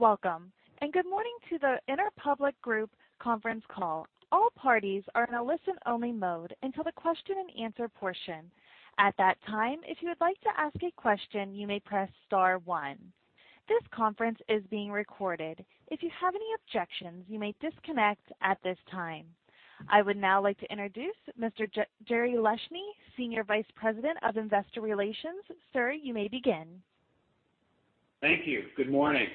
Welcome, and good morning to the Interpublic Group conference call. All parties are in a listen-only mode until the question-and-answer portion. At that time, if you would like to ask a question, you may press star one. This conference is being recorded. If you have any objections, you may disconnect at this time. I would now like to introduce Mr. Jerry Leshne, Senior Vice President of Investor Relations. Sir, you may begin. Thank you. Good morning.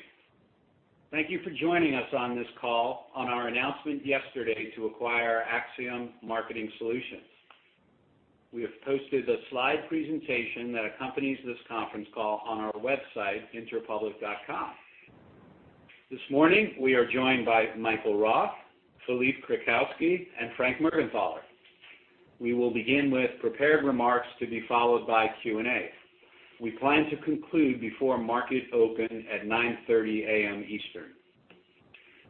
Thank you for joining us on this call on our announcement yesterday to acquire Acxiom Marketing Solutions. We have posted the slide presentation that accompanies this conference call on our website, interpublic.com. This morning, we are joined by Michael Roth, Philippe Krakowsky, and Frank Mergenthaler. We will begin with prepared remarks to be followed by Q&A. We plan to conclude before market open at 9:30 A.M. Eastern.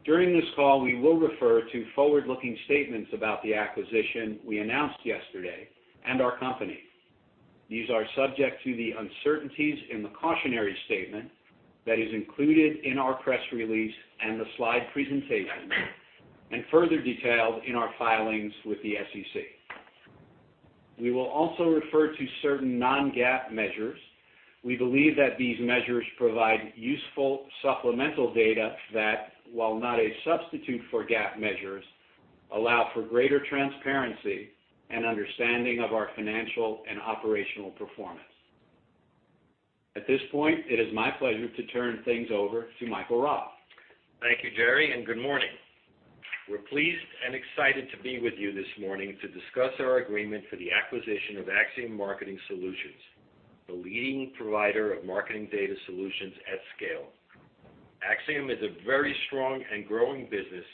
During this call, we will refer to forward-looking statements about the acquisition we announced yesterday and our company. These are subject to the uncertainties in the cautionary statement that is included in our press release and the slide presentation, and further detailed in our filings with the SEC. We will also refer to certain non-GAAP measures. We believe that these measures provide useful supplemental data that, while not a substitute for GAAP measures, allow for greater transparency and understanding of our financial and operational performance. At this point, it is my pleasure to turn things over to Michael Roth. Thank you, Jerry, and good morning. We're pleased and excited to be with you this morning to discuss our agreement for the acquisition of Acxiom Marketing Solutions, the leading provider of marketing data solutions at scale. Acxiom is a very strong and growing business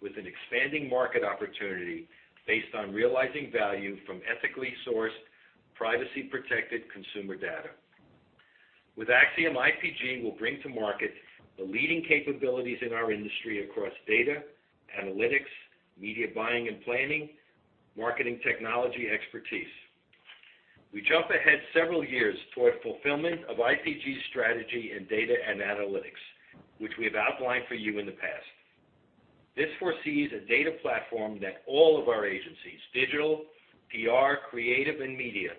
with an expanding market opportunity based on realizing value from ethically sourced, privacy-protected consumer data. With Acxiom, IPG will bring to market the leading capabilities in our industry across data, analytics, media buying and planning, and marketing technology expertise. We jump ahead several years toward fulfillment of IPG's strategy in data and analytics, which we have outlined for you in the past. This foresees a data platform that all of our agencies (digital, PR, creative, and media)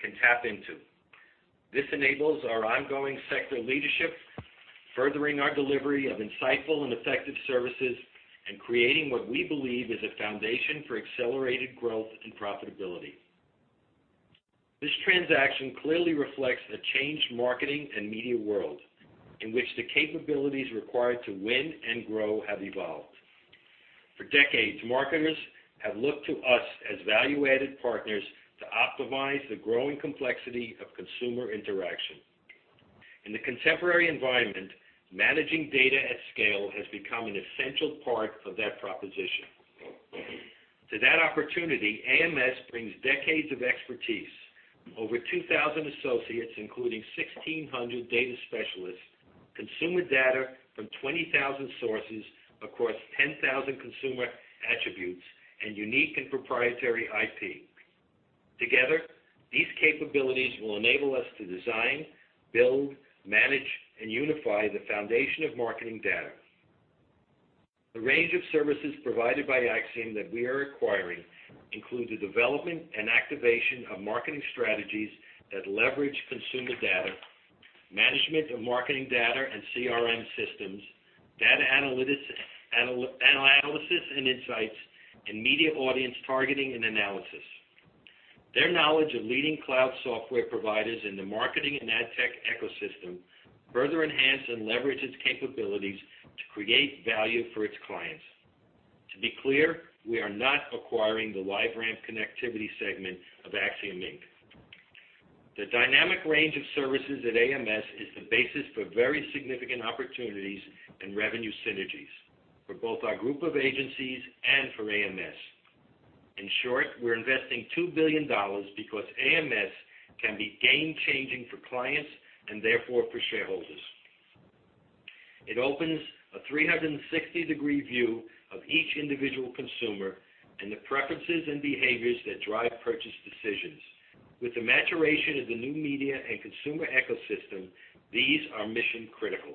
can tap into. This enables our ongoing sector leadership, furthering our delivery of insightful and effective services, and creating what we believe is a foundation for accelerated growth and profitability. This transaction clearly reflects a changed marketing and media world in which the capabilities required to win and grow have evolved. For decades, marketers have looked to us as value-added partners to optimize the growing complexity of consumer interaction. In the contemporary environment, managing data at scale has become an essential part of that proposition. To that opportunity, AMS brings decades of expertise, over 2,000 associates, including 1,600 data specialists, consumer data from 20,000 sources across 10,000 consumer attributes, and unique and proprietary IP. Together, these capabilities will enable us to design, build, manage, and unify the foundation of marketing data. The range of services provided by Acxiom that we are acquiring includes the development and activation of marketing strategies that leverage consumer data, management of marketing data and CRM systems, data analysis and insights, and media audience targeting and analysis. Their knowledge of leading cloud software providers in the marketing and ad tech ecosystem further enhances and leverages capabilities to create value for its clients. To be clear, we are not acquiring the LiveRamp connectivity segment of Acxiom Inc. The dynamic range of services at AMS is the basis for very significant opportunities and revenue synergies for both our group of agencies and for AMS. In short, we're investing $2 billion because AMS can be game-changing for clients and therefore for shareholders. It opens a 360-degree view of each individual consumer and the preferences and behaviors that drive purchase decisions. With the maturation of the new media and consumer ecosystem, these are mission-critical.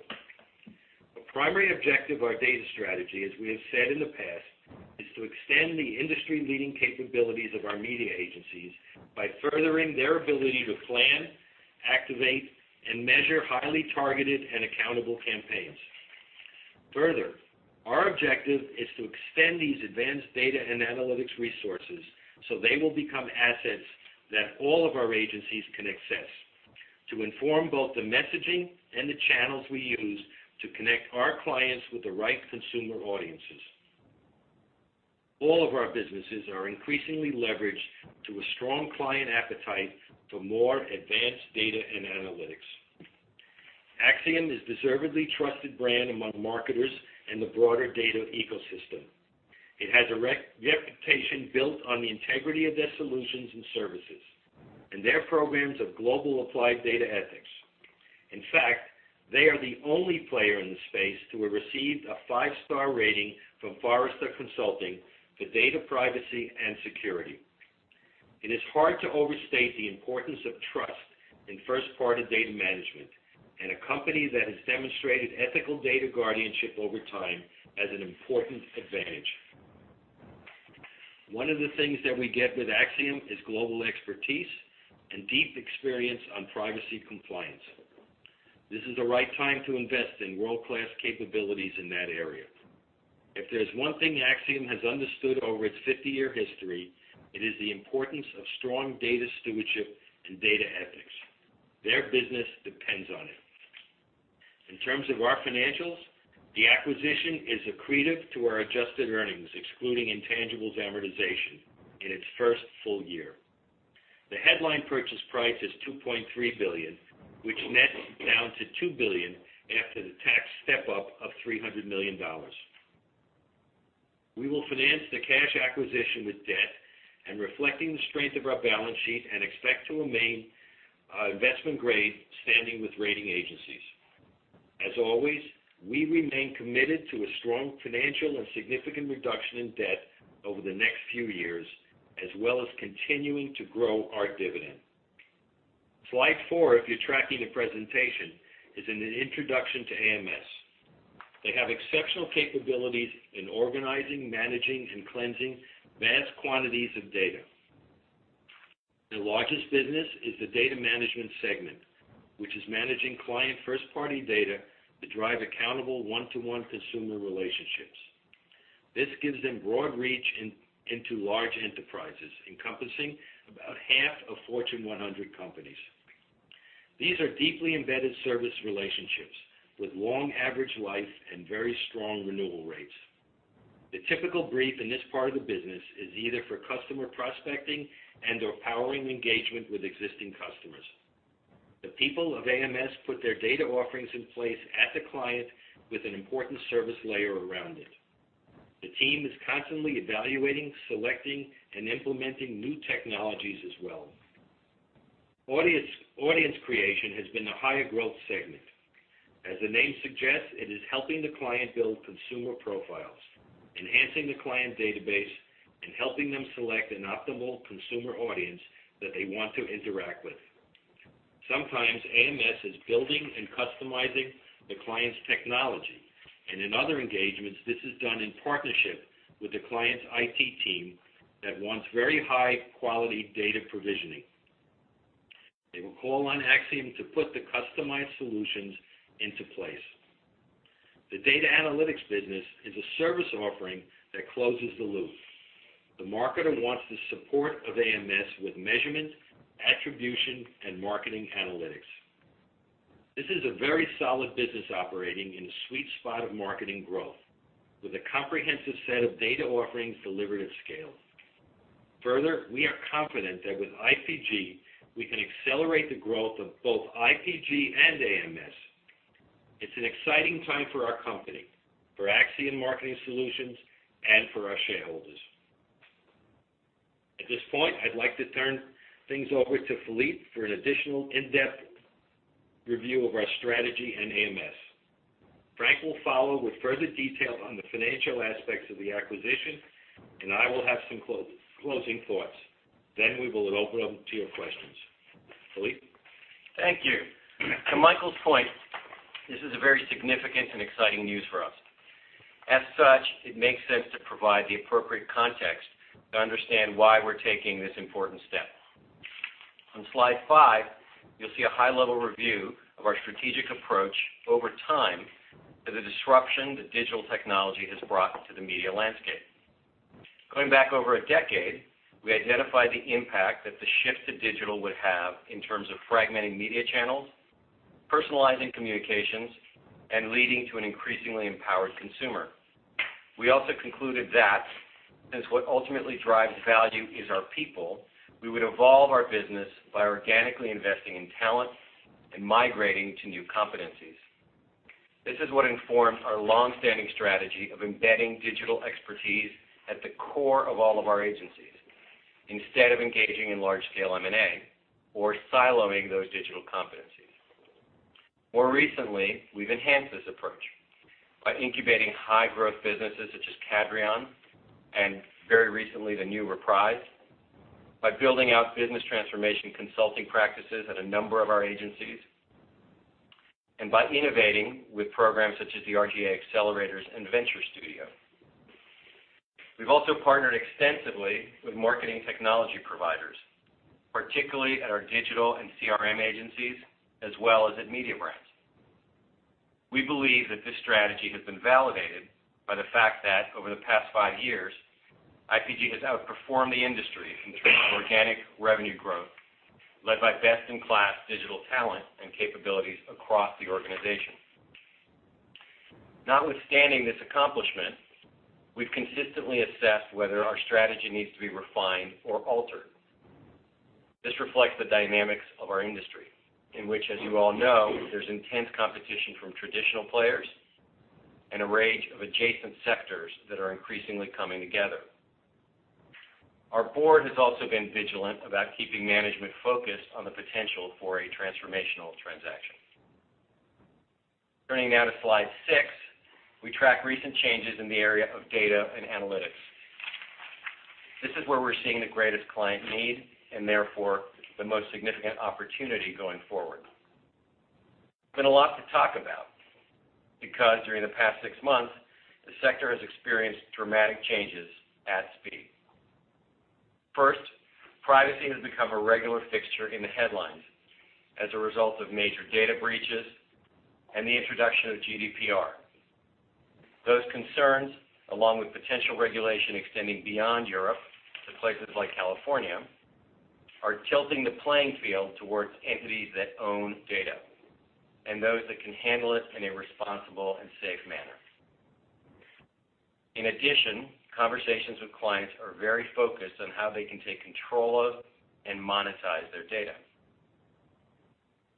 The primary objective of our data strategy, as we have said in the past, is to extend the industry-leading capabilities of our media agencies by furthering their ability to plan, activate, and measure highly targeted and accountable campaigns. Further, our objective is to extend these advanced data and analytics resources so they will become assets that all of our agencies can access to inform both the messaging and the channels we use to connect our clients with the right consumer audiences. All of our businesses are increasingly leveraged to a strong client appetite for more advanced data and analytics. Acxiom is a deservedly trusted brand among marketers and the broader data ecosystem. It has a reputation built on the integrity of their solutions and services and their programs of global applied data ethics. In fact, they are the only player in the space to have received a five-star rating from Forrester Consulting for data privacy and security. It is hard to overstate the importance of trust in first-party data management, and a company that has demonstrated ethical data guardianship over time has an important advantage. One of the things that we get with Acxiom is global expertise and deep experience on privacy compliance. This is the right time to invest in world-class capabilities in that area. If there's one thing Acxiom has understood over its 50-year history, it is the importance of strong data stewardship and data ethics. Their business depends on it. In terms of our financials, the acquisition is accretive to our adjusted earnings, excluding intangibles amortization, in its first full year. The headline purchase price is $2.3 billion, which nets down to $2 billion after the tax step-up of $300 million. We will finance the cash acquisition with debt and reflect the strength of our balance sheet and expect to remain investment-grade standing with rating agencies. As always, we remain committed to a strong financial and significant reduction in debt over the next few years, as well as continuing to grow our dividend. Slide four, if you're tracking the presentation, is an introduction to AMS. They have exceptional capabilities in organizing, managing, and cleansing vast quantities of data. Their largest business is the data management segment, which is managing client first-party data to drive accountable one-to-one consumer relationships. This gives them broad reach into large enterprises, encompassing about half of Fortune 100 companies. These are deeply embedded service relationships with long average life and very strong renewal rates. The typical brief in this part of the business is either for customer prospecting and/or powering engagement with existing customers. The people of AMS put their data offerings in place at the client with an important service layer around it. The team is constantly evaluating, selecting, and implementing new technologies as well. Audience creation has been the higher growth segment. As the name suggests, it is helping the client build consumer profiles, enhancing the client database, and helping them select an optimal consumer audience that they want to interact with. Sometimes, AMS is building and customizing the client's technology, and in other engagements, this is done in partnership with the client's IT team that wants very high-quality data provisioning. They will call on Acxiom to put the customized solutions into place. The data analytics business is a service offering that closes the loop. The marketer wants the support of AMS with measurement, attribution, and marketing analytics. This is a very solid business operating in the sweet spot of marketing growth, with a comprehensive set of data offerings delivered at scale. Further, we are confident that with IPG, we can accelerate the growth of both IPG and AMS. It's an exciting time for our company, for Acxiom Marketing Solutions, and for our shareholders. At this point, I'd like to turn things over to Philippe for an additional in-depth review of our strategy and AMS. Frank will follow with further detail on the financial aspects of the acquisition, and I will have some closing thoughts. Then we will open up to your questions. Philippe? Thank you. To Michael's point, this is very significant and exciting news for us. As such, it makes sense to provide the appropriate context to understand why we're taking this important step. On slide five, you'll see a high-level review of our strategic approach over time to the disruption that digital technology has brought to the media landscape. Going back over a decade, we identified the impact that the shift to digital would have in terms of fragmenting media channels, personalizing communications, and leading to an increasingly empowered consumer. We also concluded that since what ultimately drives value is our people, we would evolve our business by organically investing in talent and migrating to new competencies. This is what informed our long-standing strategy of embedding digital expertise at the core of all of our agencies, instead of engaging in large-scale M&A or siloing those digital competencies. More recently, we've enhanced this approach by incubating high-growth businesses such as Cadreon and, very recently, the new Reprise, by building out business transformation consulting practices at a number of our agencies, and by innovating with programs such as the R/GA Accelerators and Venture Studio. We've also partnered extensively with marketing technology providers, particularly at our digital and CRM agencies, as well as at Mediabrands. We believe that this strategy has been validated by the fact that, over the past five years, IPG has outperformed the industry in terms of organic revenue growth, led by best-in-class digital talent and capabilities across the organization. Notwithstanding this accomplishment, we've consistently assessed whether our strategy needs to be refined or altered. This reflects the dynamics of our industry, in which, as you all know, there's intense competition from traditional players and a range of adjacent sectors that are increasingly coming together. Our board has also been vigilant about keeping management focused on the potential for a transformational transaction. Turning now to slide six, we track recent changes in the area of data and analytics. This is where we're seeing the greatest client need and, therefore, the most significant opportunity going forward. There's been a lot to talk about because, during the past six months, the sector has experienced dramatic changes at speed. First, privacy has become a regular fixture in the headlines as a result of major data breaches and the introduction of GDPR. Those concerns, along with potential regulation extending beyond Europe to places like California, are tilting the playing field towards entities that own data and those that can handle it in a responsible and safe manner. In addition, conversations with clients are very focused on how they can take control of and monetize their data.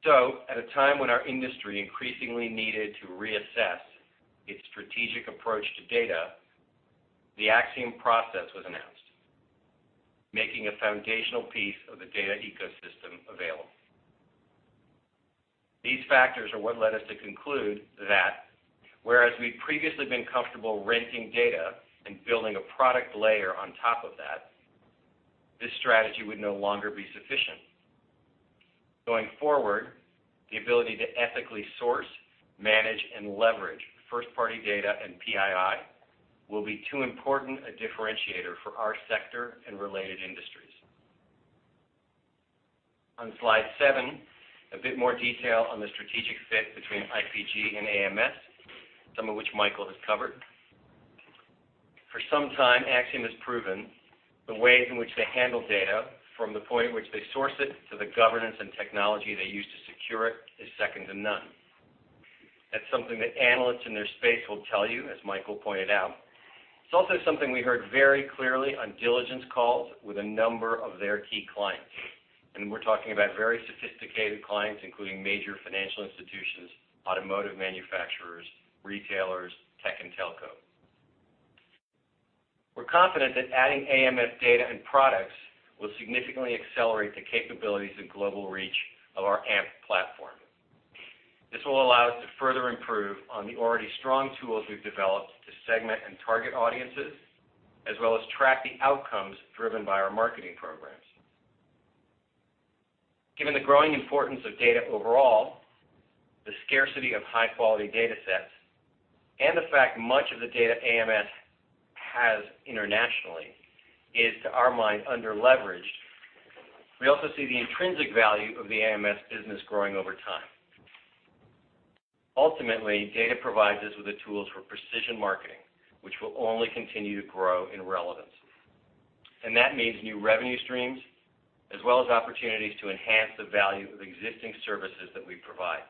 So, at a time when our industry increasingly needed to reassess its strategic approach to data, the Acxiom process was announced, making a foundational piece of the data ecosystem available. These factors are what led us to conclude that, whereas we'd previously been comfortable renting data and building a product layer on top of that, this strategy would no longer be sufficient. Going forward, the ability to ethically source, manage, and leverage first-party data and PII will be too important a differentiator for our sector and related industries. On slide seven, a bit more detail on the strategic fit between IPG and AMS, some of which Michael has covered. For some time, Acxiom has proven the ways in which they handle data, from the point in which they source it to the governance and technology they use to secure it, is second to none. That's something that analysts in their space will tell you, as Michael pointed out. It's also something we heard very clearly on diligence calls with a number of their key clients, and we're talking about very sophisticated clients, including major financial institutions, automotive manufacturers, retailers, tech, and telco. We're confident that adding AMS data and products will significantly accelerate the capabilities and global reach of our AMP platform. This will allow us to further improve on the already strong tools we've developed to segment and target audiences, as well as track the outcomes driven by our marketing programs. Given the growing importance of data overall, the scarcity of high-quality data sets, and the fact much of the data AMS has internationally is, to our mind, under-leveraged, we also see the intrinsic value of the AMS business growing over time. Ultimately, data provides us with the tools for precision marketing, which will only continue to grow in relevance. And that means new revenue streams, as well as opportunities to enhance the value of existing services that we provide.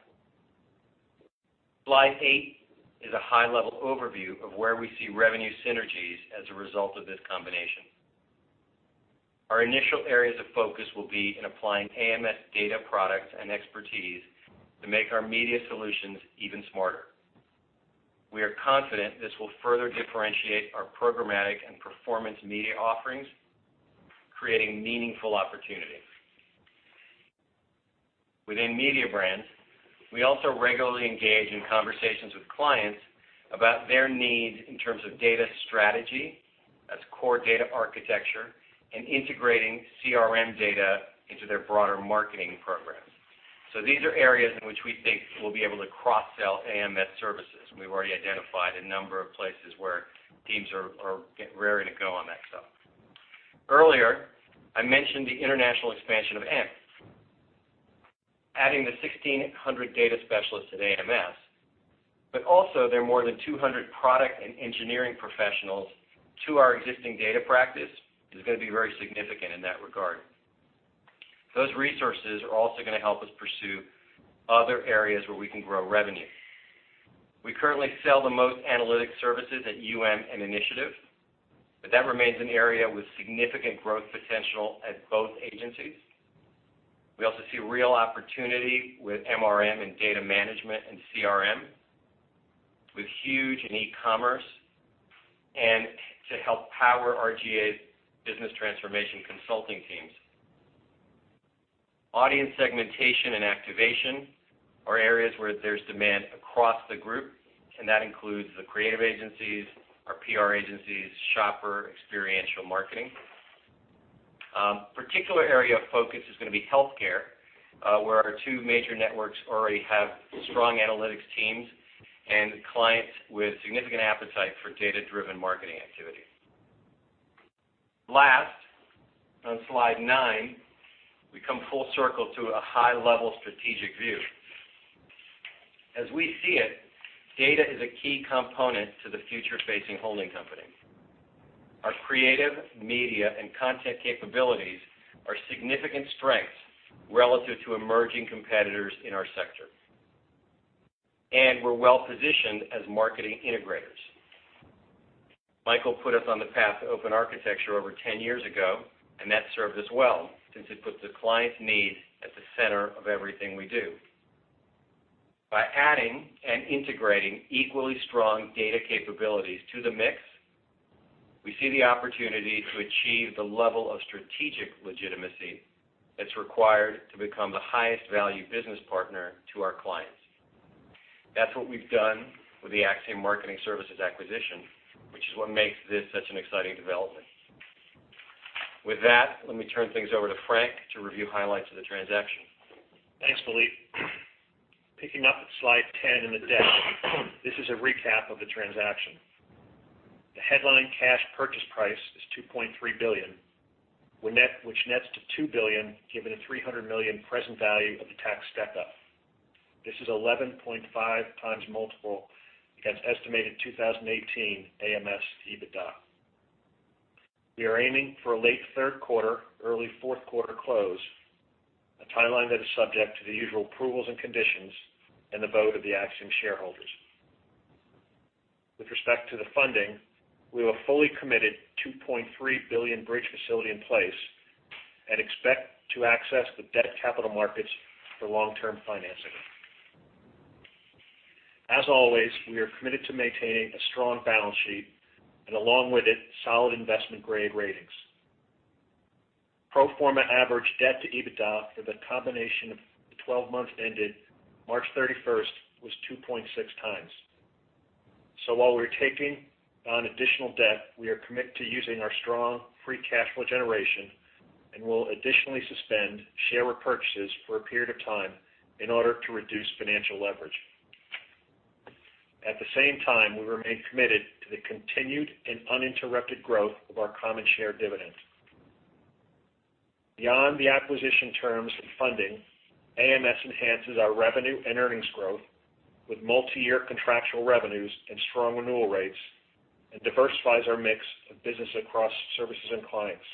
Slide eight is a high-level overview of where we see revenue synergies as a result of this combination. Our initial areas of focus will be in applying AMS data products and expertise to make our media solutions even smarter. We are confident this will further differentiate our programmatic and performance media offerings, creating meaningful opportunities. Within Mediabrands, we also regularly engage in conversations with clients about their needs in terms of data strategy as core data architecture and integrating CRM data into their broader marketing programs. So these are areas in which we think we'll be able to cross-sell AMS services. We've already identified a number of places where teams are raring to go on that stuff. Earlier, I mentioned the international expansion of AMP. Adding the 1,600 data specialists at AMS, but also their more than 200 product and engineering professionals to our existing data practice is going to be very significant in that regard. Those resources are also going to help us pursue other areas where we can grow revenue. We currently sell the most analytic services at UM and Initiative, but that remains an area with significant growth potential at both agencies. We also see real opportunity with MRM and data management and CRM, with Huge in e-commerce and to help power R/GA's business transformation consulting teams. Audience segmentation and activation are areas where there's demand across the group, and that includes the creative agencies, our PR agencies, shopper, experiential marketing. A particular area of focus is going to be healthcare, where our two major networks already have strong analytics teams and clients with significant appetite for data-driven marketing activity. Last, on slide nine, we come full circle to a high-level strategic view. As we see it, data is a key component to the future-facing holding company. Our creative media and content capabilities are significant strengths relative to emerging competitors in our sector. And we're well-positioned as marketing integrators. Michael put us on the path to open architecture over 10 years ago, and that served us well since it puts the client's needs at the center of everything we do. By adding and integrating equally strong data capabilities to the mix, we see the opportunity to achieve the level of strategic legitimacy that's required to become the highest-value business partner to our clients. That's what we've done with the Acxiom Marketing Services acquisition, which is what makes this such an exciting development. With that, let me turn things over to Frank to review highlights of the transaction. Thanks, Philippe. Picking up at slide 10 in the deck, this is a recap of the transaction. The headline cash purchase price is $2.3 billion, which nets to $2 billion given a $300 million present value of the tax step-up. This is 11.5x multiple against estimated 2018 AMS EBITDA. We are aiming for a late third quarter, early fourth quarter close, a timeline that is subject to the usual approvals and conditions and the vote of the Acxiom shareholders. With respect to the funding, we have a fully committed $2.3 billion bridge facility in place and expect to access the debt capital markets for long-term financing. As always, we are committed to maintaining a strong balance sheet and, along with it, solid investment-grade ratings. Pro forma average debt to EBITDA for the combination of the 12 months ended March 31st was 2.6x. So while we're taking on additional debt, we are committed to using our strong free cash flow generation and will additionally suspend share repurchases for a period of time in order to reduce financial leverage. At the same time, we remain committed to the continued and uninterrupted growth of our common share dividend. Beyond the acquisition terms and funding, AMS enhances our revenue and earnings growth with multi-year contractual revenues and strong renewal rates and diversifies our mix of business across services and clients.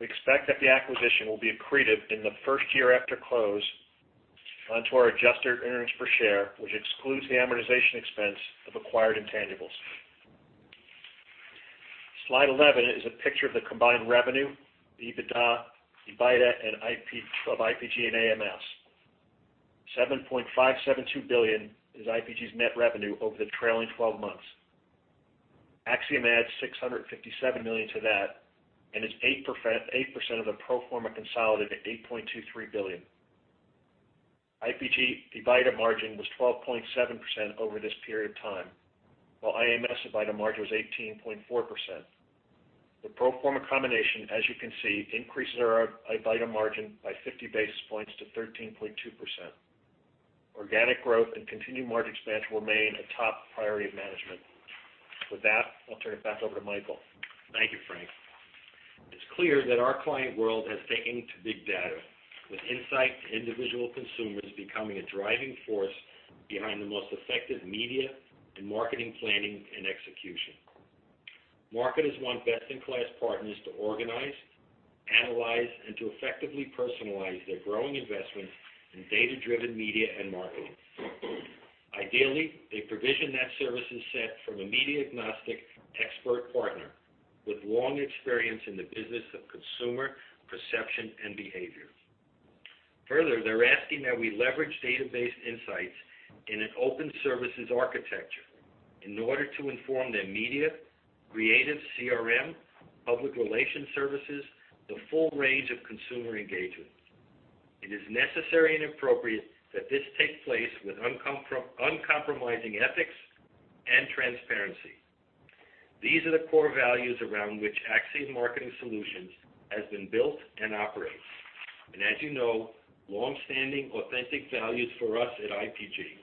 We expect that the acquisition will be accretive in the first year after close onto our adjusted earnings per share, which excludes the amortization expense of acquired intangibles. Slide 11 is a picture of the combined revenue, EBITDA, and IPG and AMS. $7.572 billion is IPG's net revenue over the trailing 12 months. Acxiom adds $657 million to that and is 8% of the pro forma consolidated $8.23 billion. IPG EBITDA margin was 12.7% over this period of time, while AMS EBITDA margin was 18.4%. The pro forma combination, as you can see, increases our EBITDA margin by 50 basis points to 13.2%. Organic growth and continued margin expansion will remain a top priority of management. With that, I'll turn it back over to Michael. Thank you, Frank. It's clear that our client world has taken to big data, with insight to individual consumers becoming a driving force behind the most effective media and marketing planning and execution. IPG has won best-in-class partners to organize, analyze, and to effectively personalize their growing investments in data-driven media and marketing. Ideally, they provision that services set from a media-agnostic expert partner with long experience in the business of consumer perception and behavior. Further, they're asking that we leverage database insights in an open services architecture in order to inform their media, creative CRM, public relations services, the full range of consumer engagement. It is necessary and appropriate that this take place with uncompromising ethics and transparency. These are the core values around which Acxiom Marketing Solutions has been built and operates, and, as you know, long-standing authentic values for us at IPG.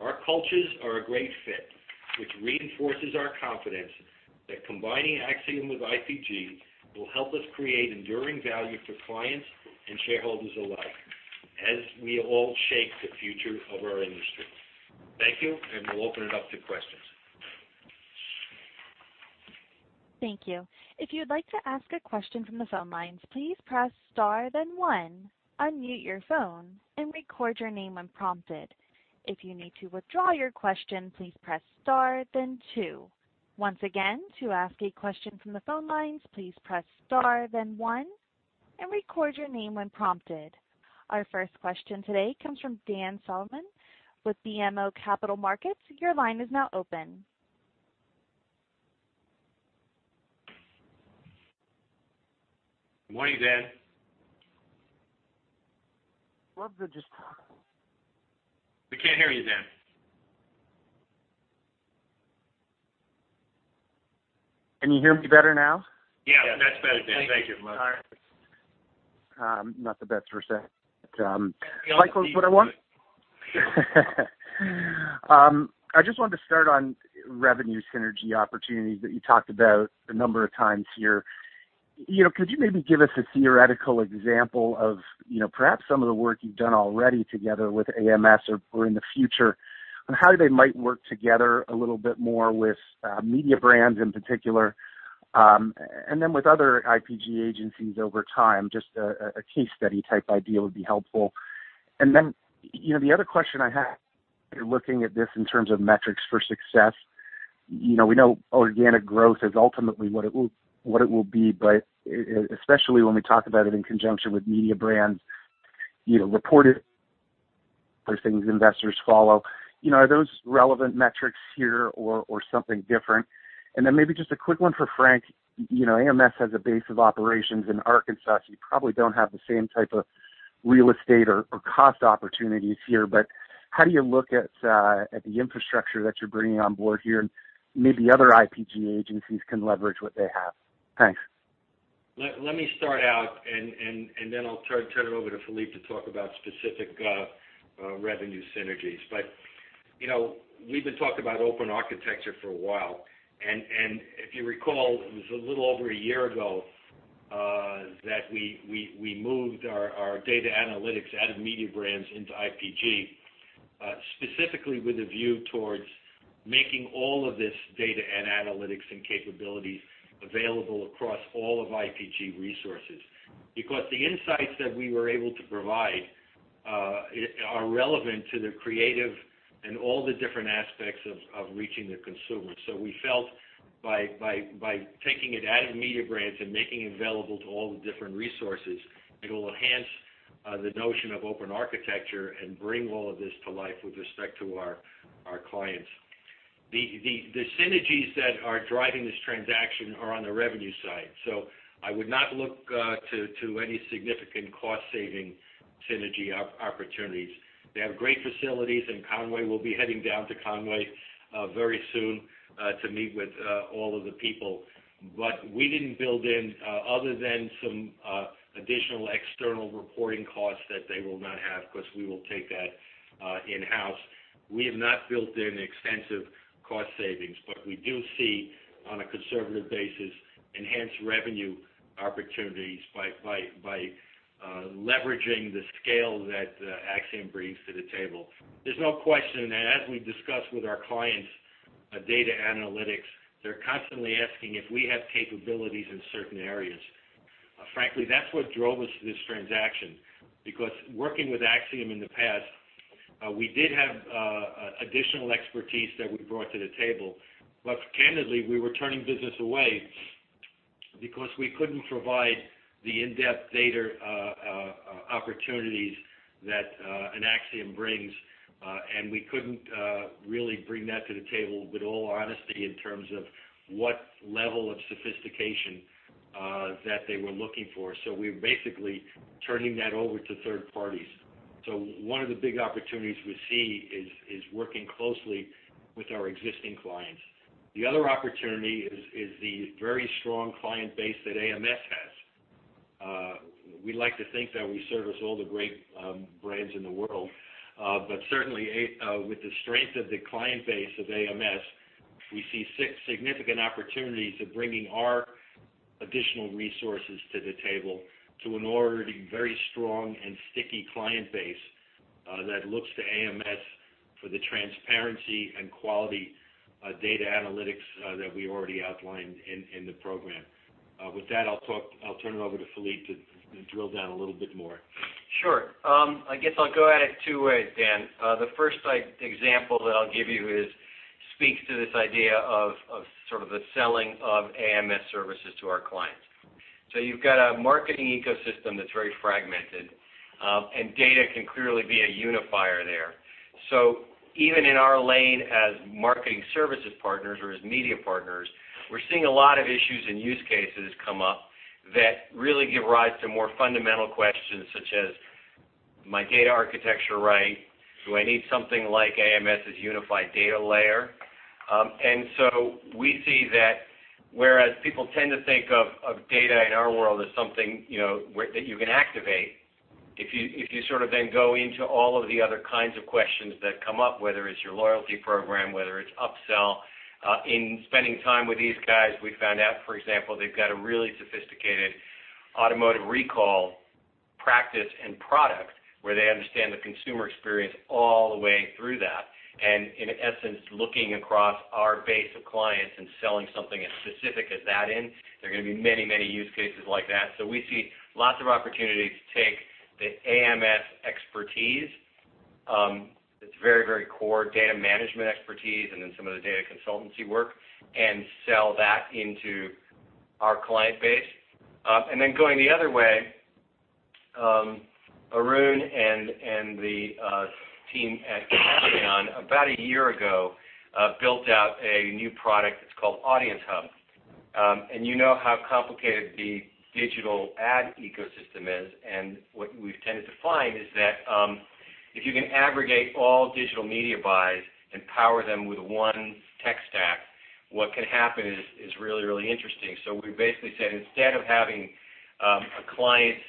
Our cultures are a great fit, which reinforces our confidence that combining Acxiom with IPG will help us create enduring value for clients and shareholders alike, as we all shape the future of our industry. Thank you, and we'll open it up to questions. Thank you. If you'd like to ask a question from the phone lines, please press star, then one. Unmute your phone and record your name when prompted. If you need to withdraw your question, please press star, then two. Once again, to ask a question from the phone lines, please press star, then one, and record your name when prompted. Our first question today comes from Dan Salmon with BMO Capital Markets. Your line is now open. Good morning, Dan. Love to just. We can't hear you, Dan. Can you hear me better now? Yeah, that's better, Dan. Thank you. All right. Not the best reception. I just wanted to start on revenue synergy opportunities that you talked about a number of times here. Could you maybe give us a theoretical example of perhaps some of the work you've done already together with AMS or in the future, and how they might work together a little bit more with Mediabrands in particular, and then with other IPG agencies over time? Just a case study type idea would be helpful. And then the other question I have, looking at this in terms of metrics for success, we know organic growth is ultimately what it will be, but especially when we talk about it in conjunction with Mediabrands, reported things investors follow. Are those relevant metrics here or something different? And then maybe just a quick one for Frank. AMS has a base of operations in Arkansas, so you probably don't have the same type of real estate or cost opportunities here. But how do you look at the infrastructure that you're bringing on board here, and maybe other IPG agencies can leverage what they have? Thanks. Let me start out, and then I'll turn it over to Philippe to talk about specific revenue synergies. But we've been talking about open architecture for a while. And if you recall, it was a little over a year ago that we moved our data analytics out of Mediabrands into IPG, specifically with a view towards making all of this data and analytics and capabilities available across all of IPG resources. Because the insights that we were able to provide are relevant to the creative and all the different aspects of reaching the consumer. So we felt by taking it out of Mediabrands and making it available to all the different resources, it will enhance the notion of open architecture and bring all of this to life with respect to our clients. The synergies that are driving this transaction are on the revenue side. So I would not look to any significant cost-saving synergy opportunities. They have great facilities, and in Conway we'll be heading down to Conway very soon to meet with all of the people. But we didn't build in, other than some additional external reporting costs that they will not have because we will take that in-house. We have not built in extensive cost savings, but we do see, on a conservative basis, enhanced revenue opportunities by leveraging the scale that Acxiom brings to the table. There's no question that, as we discuss with our clients' data analytics, they're constantly asking if we have capabilities in certain areas. Frankly, that's what drove us to this transaction. Because working with Acxiom in the past, we did have additional expertise that we brought to the table. But candidly, we were turning business away because we couldn't provide the in-depth data opportunities that Acxiom brings, and we couldn't really bring that to the table with all honesty in terms of what level of sophistication that they were looking for, so we're basically turning that over to third parties, so one of the big opportunities we see is working closely with our existing clients. The other opportunity is the very strong client base that AMS has. We like to think that we service all the great brands in the world, but certainly, with the strength of the client base of AMS, we see significant opportunities of bringing our additional resources to the table to an already very strong and sticky client base that looks to AMS for the transparency and quality data analytics that we already outlined in the program. With that, I'll turn it over to Philippe to drill down a little bit more. Sure. I guess I'll go at it two ways, Dan. The first example that I'll give you speaks to this idea of sort of the selling of AMS services to our clients. So you've got a marketing ecosystem that's very fragmented, and data can clearly be a unifier there. So even in our lane as marketing services partners or as media partners, we're seeing a lot of issues and use cases come up that really give rise to more fundamental questions such as, "My data architecture right? Do I need something like AMS's unified data layer?" And so we see that, whereas people tend to think of data in our world as something that you can activate, if you sort of then go into all of the other kinds of questions that come up, whether it's your loyalty program, whether it's upsell, in spending time with these guys, we found out, for example, they've got a really sophisticated automotive recall practice and product where they understand the consumer experience all the way through that. And in essence, looking across our base of clients and selling something as specific as that in, there are going to be many, many use cases like that. So we see lots of opportunities to take the AMS expertise, that's very, very core data management expertise, and then some of the data consultancy work, and sell that into our client base. And then going the other way, Arun and the team at Cadreon, about a year ago, built out a new product that's called Audience Hub. And you know how complicated the digital ad ecosystem is, and what we've tended to find is that if you can aggregate all digital media buys and power them with one tech stack, what can happen is really, really interesting. So we basically said, instead of having a client's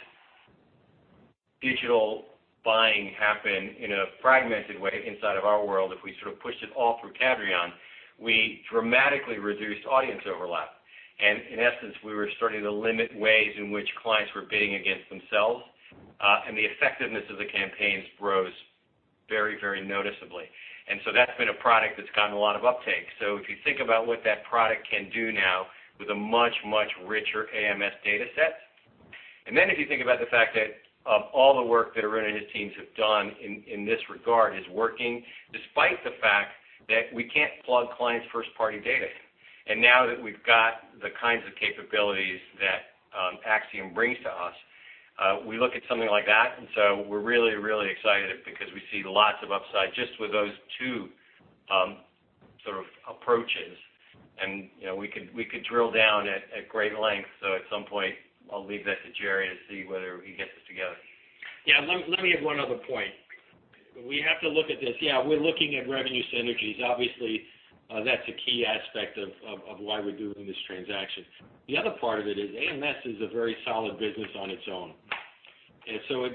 digital buying happen in a fragmented way inside of our world, if we sort of pushed it all through Cadreon, we dramatically reduced audience overlap. And in essence, we were starting to limit ways in which clients were bidding against themselves, and the effectiveness of the campaigns rose very, very noticeably. And so that's been a product that's gotten a lot of uptake. So if you think about what that product can do now with a much, much richer AMS dataset. And then if you think about the fact that all the work that Arun and his teams have done in this regard is working despite the fact that we can't plug clients' first-party data in. And now that we've got the kinds of capabilities that Acxiom brings to us, we look at something like that. And so we're really, really excited because we see lots of upside just with those two sort of approaches. And we could drill down at great length. So at some point, I'll leave that to Jerry to see whether he gets us together. Yeah. Let me add one other point. We have to look at this. Yeah, we're looking at revenue synergies. Obviously, that's a key aspect of why we're doing this transaction. The other part of it is AMS is a very solid business on its own. And so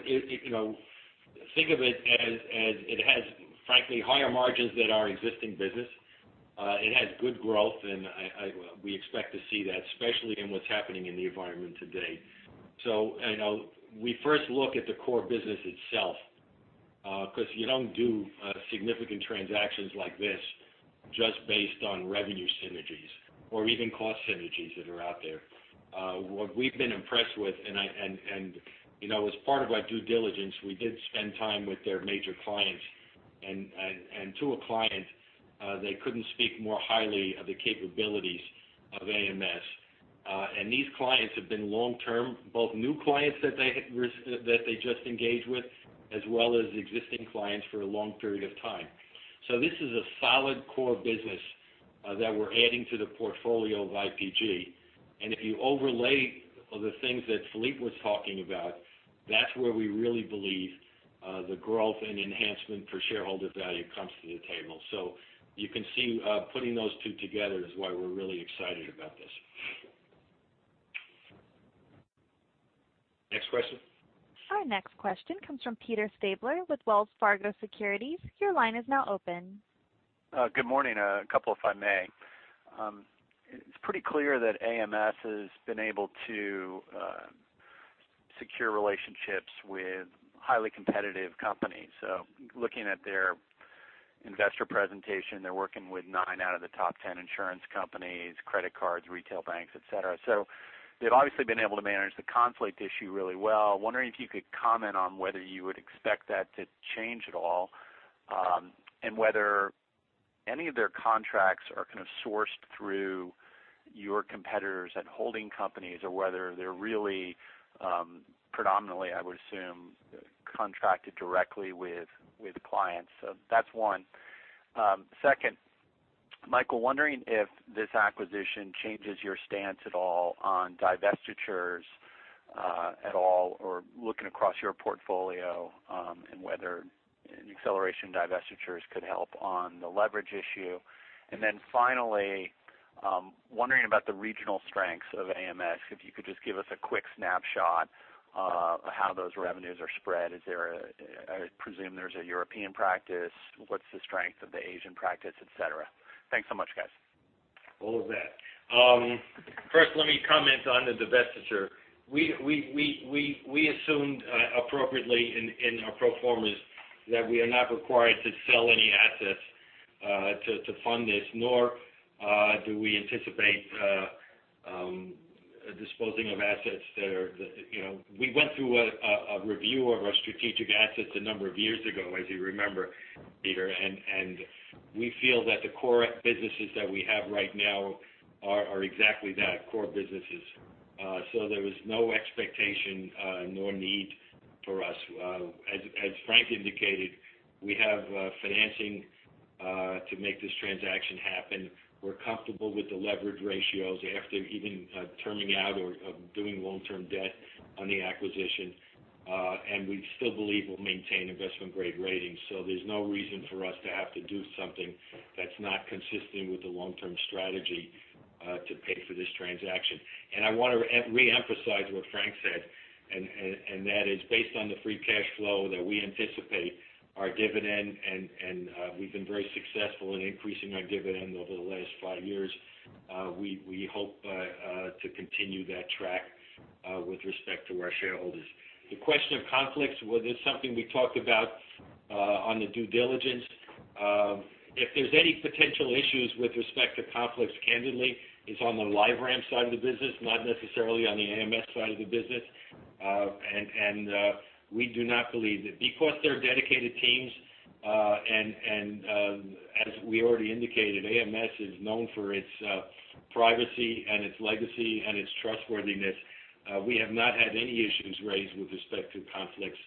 think of it as it has, frankly, higher margins than our existing business. It has good growth, and we expect to see that, especially in what's happening in the environment today. So we first look at the core business itself because you don't do significant transactions like this just based on revenue synergies or even cost synergies that are out there. What we've been impressed with, and as part of our due diligence, we did spend time with their major clients. And to a client, they couldn't speak more highly of the capabilities of AMS. And these clients have been long-term, both new clients that they just engaged with as well as existing clients for a long period of time. So this is a solid core business that we're adding to the portfolio of IPG. And if you overlay the things that Philippe was talking about, that's where we really believe the growth and enhancement for shareholder value comes to the table. So you can see putting those two together is why we're really excited about this. Next question. Our next question comes from Peter Stabler with Wells Fargo Securities. Your line is now open. Good morning, a couple if I may. It's pretty clear that AMS has been able to secure relationships with highly competitive companies. So looking at their investor presentation, they're working with nine out of the top 10 insurance companies, credit cards, retail banks, etc. So they've obviously been able to manage the conflict issue really well. Wondering if you could comment on whether you would expect that to change at all and whether any of their contracts are kind of sourced through your competitors and holding companies or whether they're really predominantly, I would assume, contracted directly with clients. So that's one. Second, Michael, wondering if this acquisition changes your stance at all on divestitures at all or looking across your portfolio and whether an acceleration of divestitures could help on the leverage issue. And then finally, wondering about the regional strengths of AMS. If you could just give us a quick snapshot of how those revenues are spread. I presume there's a European practice. What's the strength of the Asian practice, etc.? Thanks so much, guys. All of that. First, let me comment on the divestiture. We assumed appropriately in our proformas that we are not required to sell any assets to fund this, nor do we anticipate disposing of assets. We went through a review of our strategic assets a number of years ago, as you remember, Peter, and we feel that the core businesses that we have right now are exactly that, core businesses. So there was no expectation nor need for us. As Frank indicated, we have financing to make this transaction happen. We're comfortable with the leverage ratios after even taking out or doing long-term debt on the acquisition, and we still believe we'll maintain investment-grade ratings. So there's no reason for us to have to do something that's not consistent with the long-term strategy to pay for this transaction. I want to reemphasize what Frank said, and that is based on the free cash flow that we anticipate, our dividend, and we've been very successful in increasing our dividend over the last five years. We hope to continue that track with respect to our shareholders. The question of conflicts, well, there's something we talked about on the due diligence. If there's any potential issues with respect to conflicts, candidly, it's on the LiveRamp side of the business, not necessarily on the AMS side of the business. And we do not believe that because they're dedicated teams, and as we already indicated, AMS is known for its privacy and its legacy and its trustworthiness, we have not had any issues raised with respect to conflicts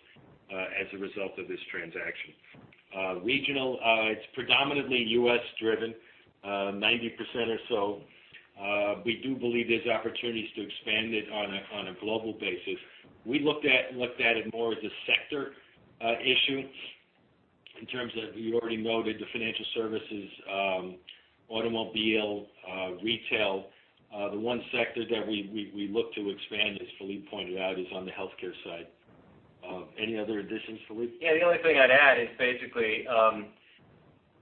as a result of this transaction. Regionally, it's predominantly U.S.-driven, 90% or so. We do believe there's opportunities to expand it on a global basis. We looked at it more as a sector issue in terms of, you already noted, the financial services, automobile, retail. The one sector that we look to expand, as Philippe pointed out, is on the healthcare side. Any other additions, Philippe? Yeah. The only thing I'd add is basically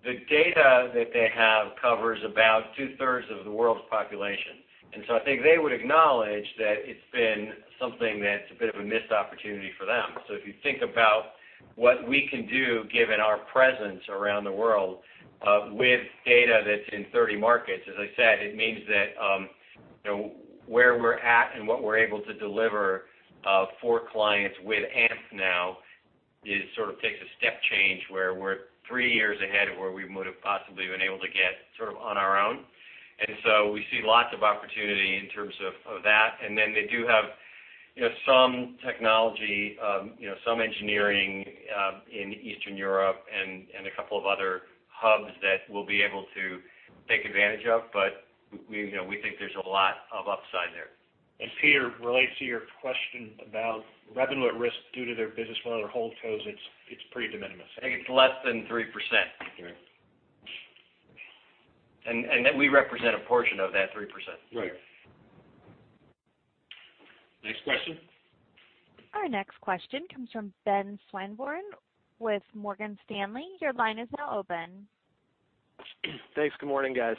the data that they have covers about two-thirds of the world's population. And so I think they would acknowledge that it's been something that's a bit of a missed opportunity for them. So if you think about what we can do, given our presence around the world with data that's in 30 markets, as I said, it means that where we're at and what we're able to deliver for clients with AMP now sort of takes a step change where we're three years ahead of where we would have possibly been able to get sort of on our own. And so we see lots of opportunity in terms of that. And then they do have some technology, some engineering in Eastern Europe and a couple of other hubs that we'll be able to take advantage of, but we think there's a lot of upside there. And Peter, related to your question about revenue at risk due to their business model or holdcos, it's pretty de minimis. I think it's less than 3%. We represent a portion of that 3%. Right. Next question. Our next question comes from Ben Swinburne with Morgan Stanley. Your line is now open. Thanks. Good morning, guys.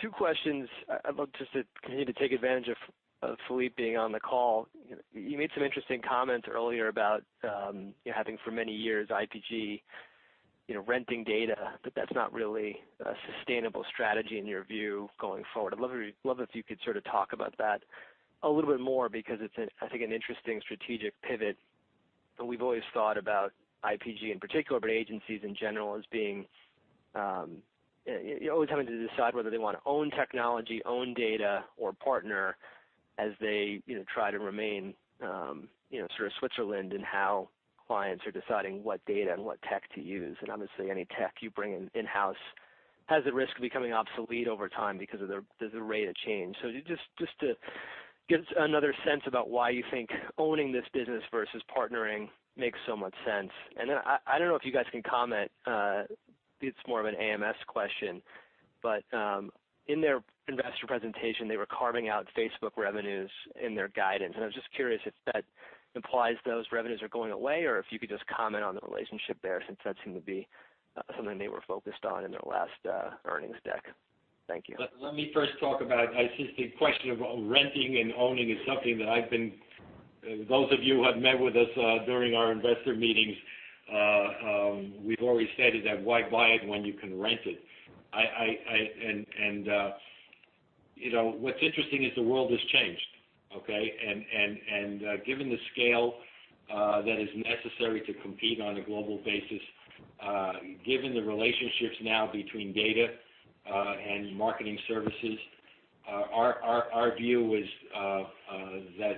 Two questions. I'd love just to continue to take advantage of Philippe being on the call. You made some interesting comments earlier about having for many years IPG renting data, but that's not really a sustainable strategy in your view going forward. I'd love if you could sort of talk about that a little bit more because it's, I think, an interesting strategic pivot. And we've always thought about IPG in particular, but agencies in general, as being always having to decide whether they want to own technology, own data, or partner as they try to remain sort of Switzerland in how clients are deciding what data and what tech to use. And obviously, any tech you bring in-house has a risk of becoming obsolete over time because of the rate of change. So just to get another sense about why you think owning this business versus partnering makes so much sense. And then I don't know if you guys can comment. It's more of an AMS question, but in their investor presentation, they were carving out Facebook revenues in their guidance. And I was just curious if that implies those revenues are going away or if you could just comment on the relationship there since that seemed to be something they were focused on in their last earnings deck? Thank you. Let me first talk about. I see the question of renting and owning is something that those of you who have met with us during our investor meetings, we've already stated that why buy it when you can rent it? What's interesting is the world has changed, okay? Given the scale that is necessary to compete on a global basis, given the relationships now between data and marketing services, our view is that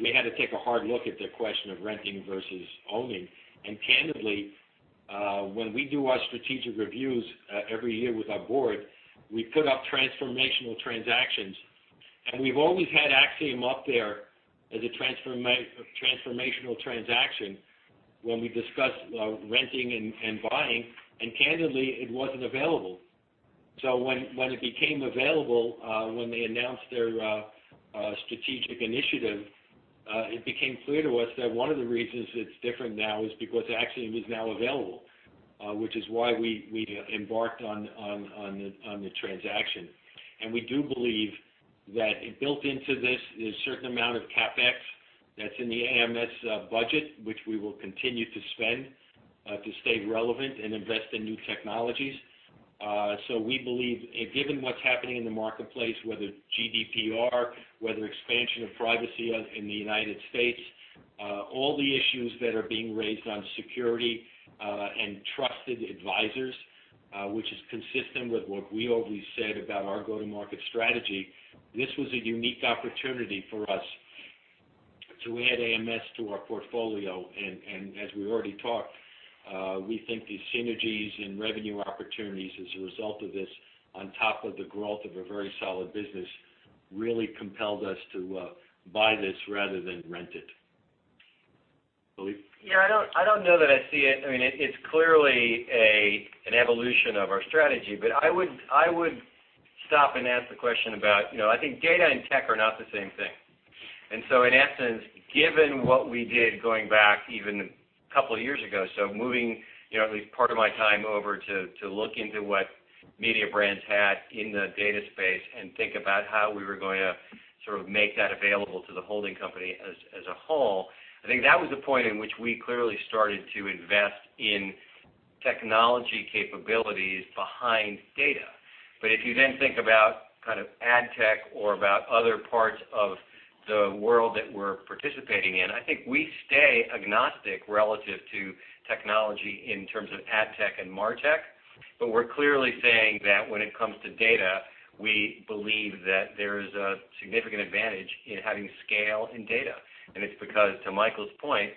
we had to take a hard look at the question of renting versus owning. Candidly, when we do our strategic reviews every year with our board, we put up transformational transactions. We've always had Acxiom up there as a transformational transaction when we discussed renting and buying. Candidly, it wasn't available. So when it became available, when they announced their strategic initiative, it became clear to us that one of the reasons it's different now is because Acxiom is now available, which is why we embarked on the transaction. And we do believe that built into this is a certain amount of CapEx that's in the AMS budget, which we will continue to spend to stay relevant and invest in new technologies. So we believe, given what's happening in the marketplace, whether GDPR, whether expansion of privacy in the United States, all the issues that are being raised on security and trusted advisors, which is consistent with what we always said about our go-to-market strategy, this was a unique opportunity for us to add AMS to our portfolio. As we already talked, we think the synergies and revenue opportunities as a result of this, on top of the growth of a very solid business, really compelled us to buy this rather than rent it. Yeah. I don't know that I see it. I mean, it's clearly an evolution of our strategy, but I would stop and ask the question about, I think, data and tech are not the same thing. And so in essence, given what we did going back even a couple of years ago, so moving at least part of my time over to look into what Mediabrands had in the data space and think about how we were going to sort of make that available to the holding company as a whole, I think that was the point in which we clearly started to invest in technology capabilities behind data. But if you then think about kind of ad tech or about other parts of the world that we're participating in, I think we stay agnostic relative to technology in terms of ad tech and mar tech. But we're clearly saying that when it comes to data, we believe that there is a significant advantage in having scale in data. And it's because, to Michael's point,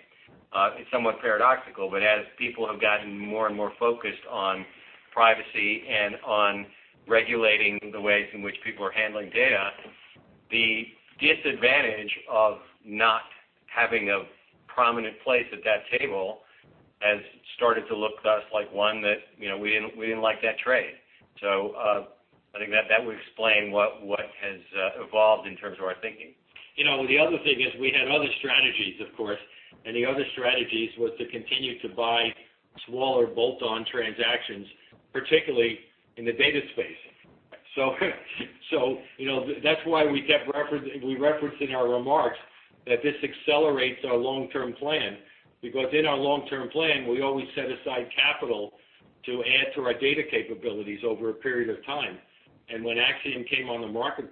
it's somewhat paradoxical, but as people have gotten more and more focused on privacy and on regulating the ways in which people are handling data, the disadvantage of not having a prominent place at that table has started to look to us like one that we didn't like that trade. So I think that would explain what has evolved in terms of our thinking. The other thing is we had other strategies, of course. And the other strategies was to continue to buy smaller bolt-on transactions, particularly in the data space. So that's why we referenced in our remarks that this accelerates our long-term plan because in our long-term plan, we always set aside capital to add to our data capabilities over a period of time. And when Acxiom came on the market,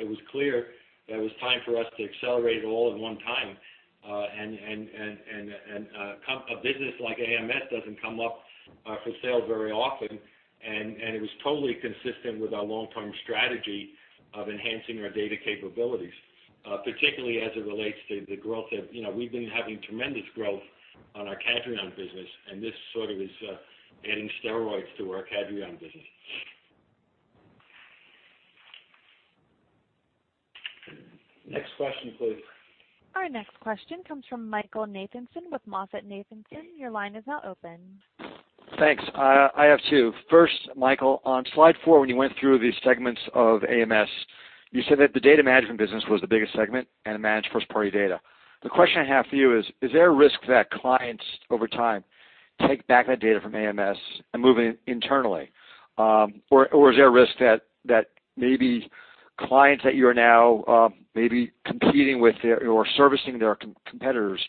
it was clear that it was time for us to accelerate it all at one time. And a business like AMS doesn't come up for sale very often, and it was totally consistent with our long-term strategy of enhancing our data capabilities, particularly as it relates to the growth that we've been having tremendous growth on our Cadreon business. And this sort of is adding steroids to our Cadreon business. Next question, please. Our next question comes from Michael Nathanson with MoffettNathanson. Your line is now open. Thanks. I have two. First, Michael, on slide four, when you went through the segments of AMS, you said that the data management business was the biggest segment and managed first-party data. The question I have for you is, is there a risk that clients, over time, take back that data from AMS and move it internally? Or is there a risk that maybe clients that you are now maybe competing with or servicing their competitors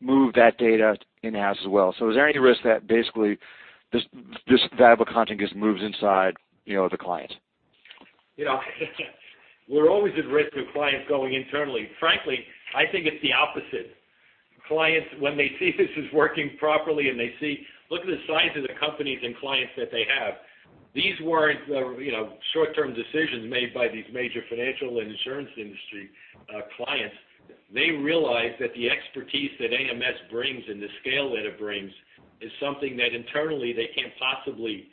move that data in-house as well? So is there any risk that basically this valuable content just moves inside the clients? We're always at risk of clients going internally. Frankly, I think it's the opposite. Clients, when they see this is working properly and they see, "Look at the size of the companies and clients that they have." These weren't short-term decisions made by these major financial and insurance industry clients. They realize that the expertise that AMS brings and the scale that it brings is something that internally they can't possibly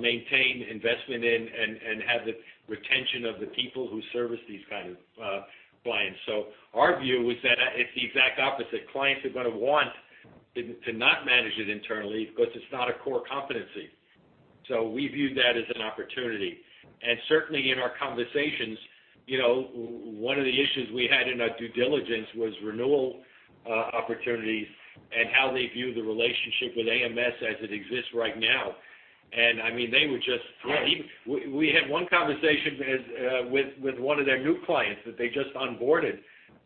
maintain investment in and have the retention of the people who service these kinds of clients. So our view is that it's the exact opposite. Clients are going to want to not manage it internally because it's not a core competency. So we view that as an opportunity. And certainly in our conversations, one of the issues we had in our due diligence was renewal opportunities and how they view the relationship with AMS as it exists right now. I mean, they were just we had one conversation with one of their new clients that they just onboarded,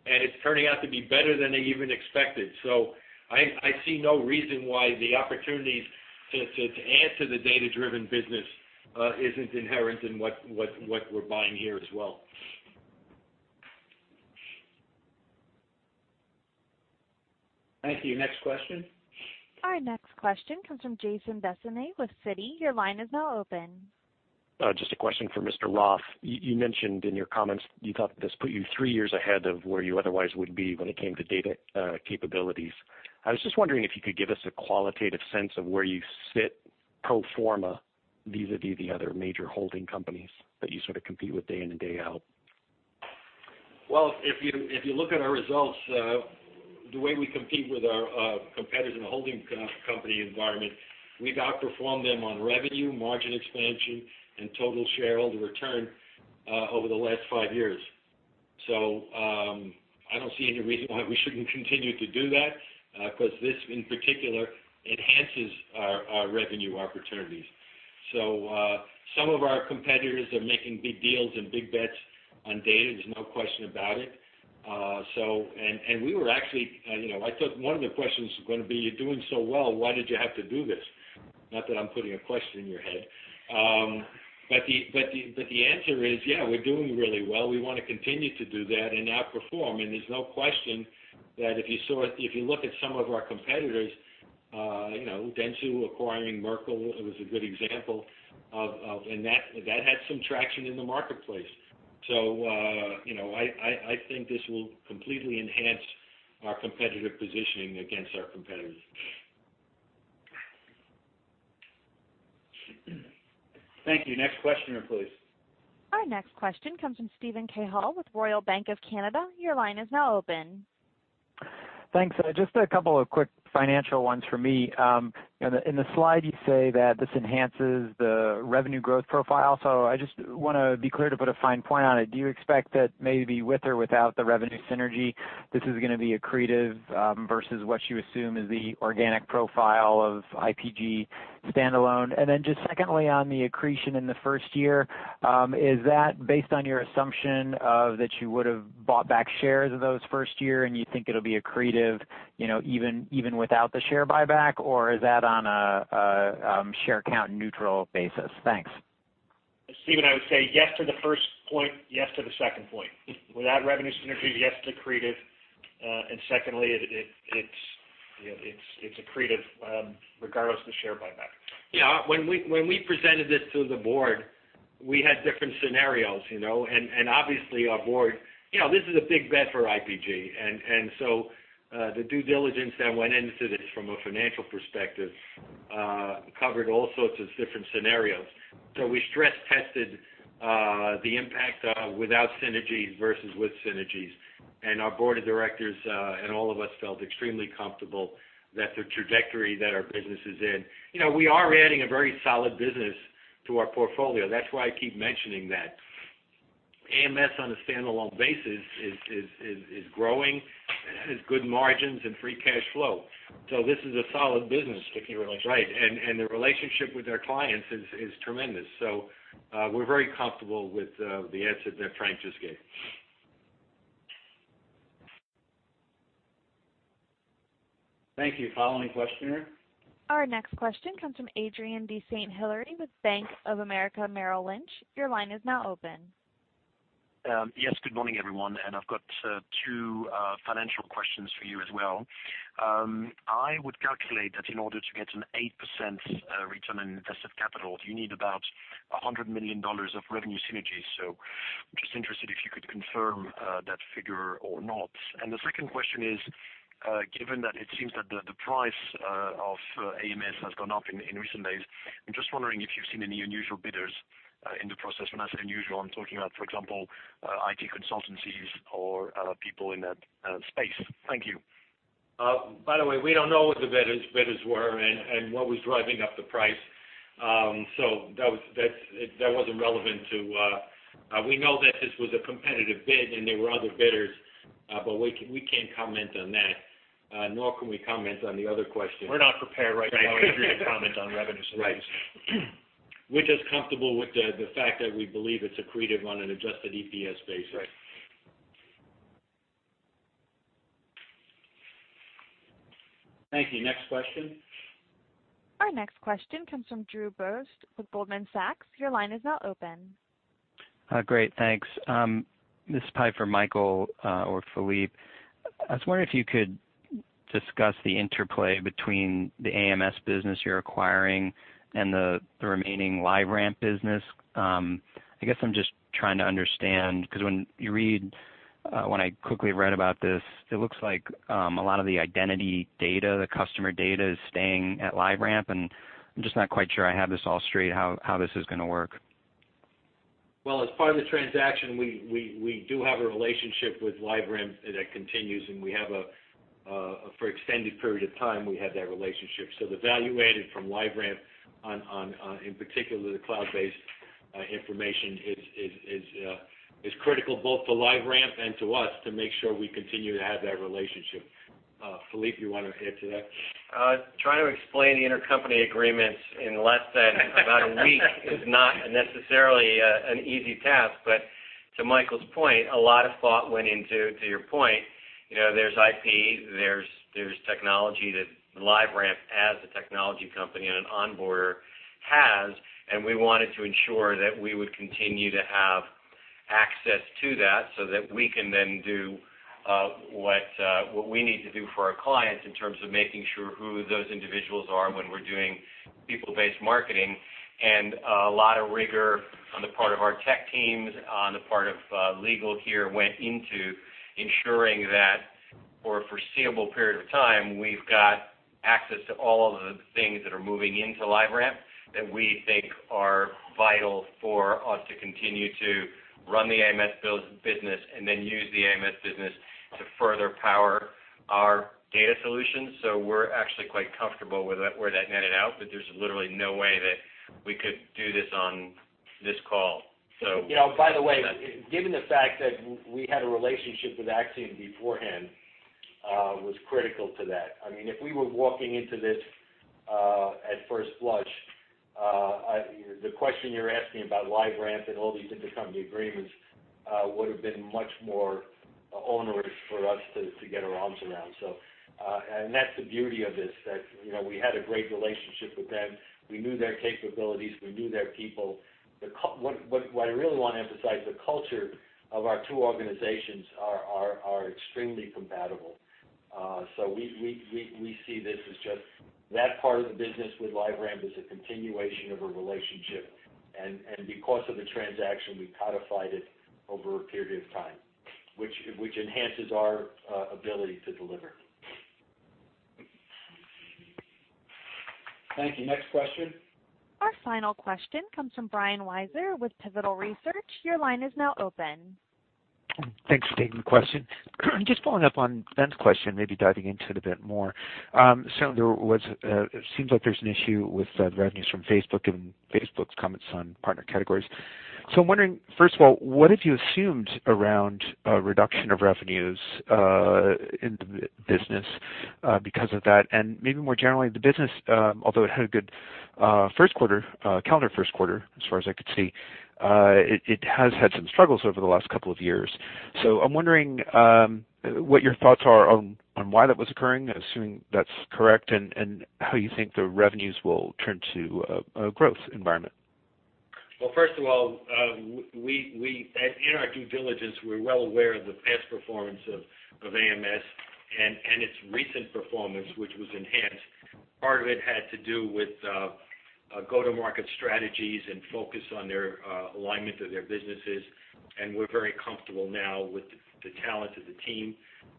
and it's turning out to be better than they even expected. So I see no reason why the opportunities to add to the data-driven business isn't inherent in what we're buying here as well. Thank you. Next question. Our next question comes from Jason Bazinet with Citi. Your line is now open. Just a question for Mr. Roth. You mentioned in your comments you thought this put you three years ahead of where you otherwise would be when it came to data capabilities. I was just wondering if you could give us a qualitative sense of where you sit pro forma vis-à-vis the other major holding companies that you sort of compete with day in and day out? If you look at our results, the way we compete with our competitors in the holding company environment, we've outperformed them on revenue, margin expansion, and total shareholder return over the last five years. I don't see any reason why we shouldn't continue to do that because this, in particular, enhances our revenue, our capabilities. Some of our competitors are making big deals and big bets on data. There's no question about it. We were actually I thought one of the questions was going to be, "You're doing so well, why did you have to do this?" Not that I'm putting a question in your head. The answer is, yeah, we're doing really well. We want to continue to do that and outperform. There's no question that if you look at some of our competitors, Dentsu acquiring Merkle was a good example, and that had some traction in the marketplace. I think this will completely enhance our competitive positioning against our competitors. Thank you. Next questioner, please. Our next question comes from Steven Cahall with Royal Bank of Canada. Your line is now open. Thanks. Just a couple of quick financial ones for me. In the slide, you say that this enhances the revenue growth profile. So I just want to be clear to put a fine point on it. Do you expect that maybe with or without the revenue synergy, this is going to be accretive versus what you assume is the organic profile of IPG standalone? And then just secondly, on the accretion in the first year, is that based on your assumption that you would have bought back shares of those first year and you think it'll be accretive even without the share buyback, or is that on a share count neutral basis? Thanks. Steven, I would say yes to the first point, yes to the second point. Without revenue synergy, yes to accretive, and secondly, it's accretive regardless of the share buyback. Yeah. When we presented this to the board, we had different scenarios. And obviously, our board, this is a big bet for IPG. And so the due diligence that went into this from a financial perspective covered all sorts of different scenarios. So we stress-tested the impact without synergies versus with synergies. And our board of directors and all of us felt extremely comfortable that the trajectory that our business is in, we are adding a very solid business to our portfolio. That's why I keep mentioning that. AMS on a standalone basis is growing, has good margins, and free cash flow. So this is a solid business. Sticky relationship. Right. And the relationship with our clients is tremendous. So we're very comfortable with the answer that Frank just gave. Thank you. Following questioner. Our next question comes from Adrien de Saint Hilaire with Bank of America Merrill Lynch. Your line is now open. Yes. Good morning, everyone. And I've got two financial questions for you as well. I would calculate that in order to get an 8% return on invested capital, you need about $100 million of revenue synergies. So I'm just interested if you could confirm that figure or not. And the second question is, given that it seems that the price of AMS has gone up in recent days, I'm just wondering if you've seen any unusual bidders in the process. When I say unusual, I'm talking about, for example, IT consultancies or people in that space. Thank you. By the way, we don't know what the bidders were and what was driving up the price. So that wasn't relevant to we know that this was a competitive bid and there were other bidders, but we can't comment on that, nor can we comment on the other question. We're not prepared right now, Adrien, to comment on revenue synergies. Right. We're just comfortable with the fact that we believe it's accretive on an Adjusted EPS basis. Thank you. Next question. Our next question comes from Drew Borst with Goldman Sachs. Your line is now open. Great. Thanks. This is probably for Michael or Philippe. I was wondering if you could discuss the interplay between the AMS business you're acquiring and the remaining LiveRamp business. I guess I'm just trying to understand because when I quickly read about this, it looks like a lot of the identity data, the customer data, is staying at LiveRamp. And I'm just not quite sure I have this all straight, how this is going to work. As part of the transaction, we do have a relationship with LiveRamp that continues, and we have for an extended period of time, we have that relationship. So the value added from LiveRamp, in particular the cloud-based information, is critical both to LiveRamp and to us to make sure we continue to have that relationship. Philippe, you want to add to that? Trying to explain the intercompany agreements in less than about a week is not necessarily an easy task. But to Michael's point, a lot of thought went into, to your point, there's IP, there's technology that LiveRamp as a technology company and an onboarder has. And we wanted to ensure that we would continue to have access to that so that we can then do what we need to do for our clients in terms of making sure who those individuals are when we're doing people-based marketing. A lot of rigor on the part of our tech teams, on the part of legal here went into ensuring that for a foreseeable period of time, we've got access to all of the things that are moving into LiveRamp that we think are vital for us to continue to run the AMS business and then use the AMS business to further power our data solutions. So we're actually quite comfortable with where that netted out, but there's literally no way that we could do this on this call. So. By the way, given the fact that we had a relationship with Acxiom beforehand, it was critical to that. I mean, if we were walking into this at first blush, the question you're asking about LiveRamp and all these intercompany agreements would have been much more onerous for us to get our arms around, and that's the beauty of this, that we had a great relationship with them. We knew their capabilities. We knew their people. What I really want to emphasize is the culture of our two organizations is extremely compatible, so we see this as just that part of the business with LiveRamp is a continuation of a relationship, and because of the transaction, we codified it over a period of time, which enhances our ability to deliver. Thank you. Next question. Our final question comes from Brian Wieser with Pivotal Research. Your line is now open. Thanks for taking the question. Just following up on Ben's question, maybe diving into it a bit more. Certainly, it seems like there's an issue with the revenues from Facebook and Facebook's comments on Partner Categories. So I'm wondering, first of all, what have you assumed around a reduction of revenues in the business because of that? And maybe more generally, the business, although it had a good calendar first quarter, as far as I could see, it has had some struggles over the last couple of years. So I'm wondering what your thoughts are on why that was occurring, assuming that's correct, and how you think the revenues will turn to a growth environment. First of all, in our due diligence, we're well aware of the past performance of AMS and its recent performance, which was enhanced. Part of it had to do with go-to-market strategies and focus on their alignment of their businesses, and we're very comfortable now with the talent of the team.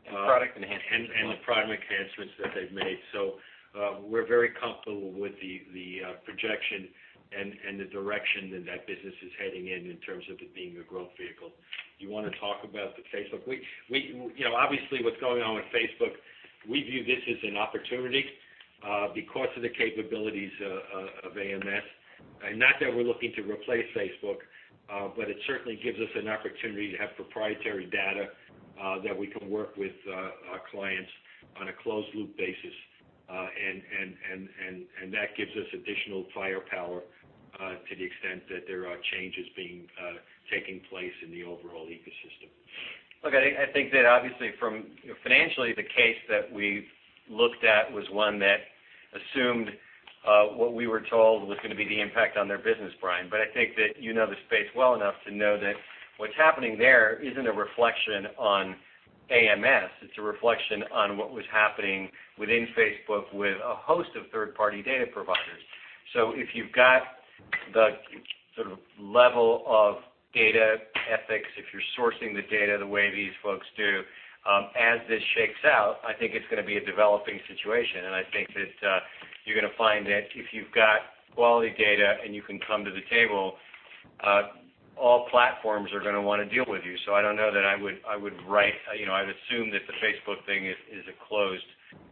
The product enhancements. And the product enhancements that they've made, so we're very comfortable with the projection and the direction that that business is heading in terms of it being a growth vehicle. You want to talk about the Facebook? Obviously, what's going on with Facebook. We view this as an opportunity because of the capabilities of AMS, and not that we're looking to replace Facebook, but it certainly gives us an opportunity to have proprietary data that we can work with our clients on a closed-loop basis, and that gives us additional firepower to the extent that there are changes taking place in the overall ecosystem. Look, I think that obviously, financially, the case that we looked at was one that assumed what we were told was going to be the impact on their business, Brian. But I think that you know the space well enough to know that what's happening there isn't a reflection on AMS. It's a reflection on what was happening within Facebook with a host of third-party data providers. So if you've got the sort of level of data ethics, if you're sourcing the data the way these folks do, as this shakes out, I think it's going to be a developing situation. And I think that you're going to find that if you've got quality data and you can come to the table, all platforms are going to want to deal with you. I don't know that I would assume that the Facebook thing is a closed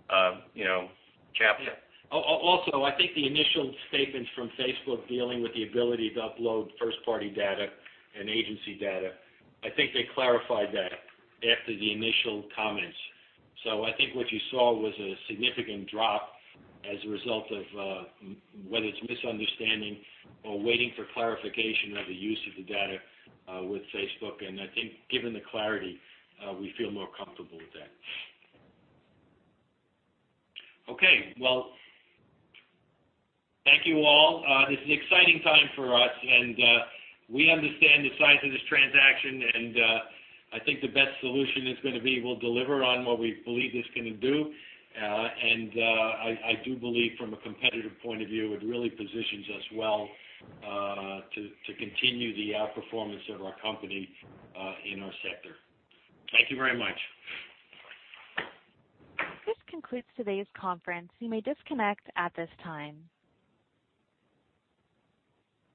chapter. Yeah. Also, I think the initial statements from Facebook dealing with the ability to upload first-party data and agency data. I think they clarified that after the initial comments. So I think what you saw was a significant drop as a result of whether it's misunderstanding or waiting for clarification of the use of the data with Facebook. And I think given the clarity, we feel more comfortable with that. Okay. Well, thank you all. This is an exciting time for us. And we understand the size of this transaction. And I think the best solution is going to be we'll deliver on what we believe this can do. And I do believe from a competitive point of view, it really positions us well to continue the outperformance of our company in our sector. Thank you very much. This concludes today's conference. You may disconnect at this time.